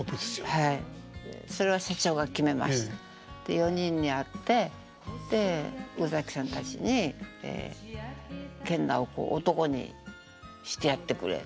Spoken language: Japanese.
４人に会って宇崎さんたちに「研ナオコを男にしてやってくれ」って。